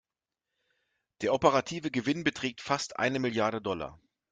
Der operative Gewinn beträgt fast eine Milliarde Dollar.